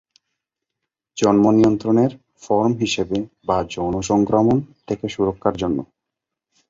জন্ম নিয়ন্ত্রণের ফর্ম হিসাবে বা যৌন সংক্রমণ থেকে সুরক্ষার জন্য।